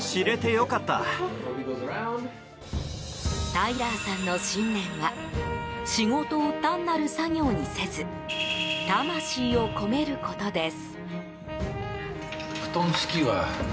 タイラーさんの信念は仕事を単なる作業にせず魂を込めることです。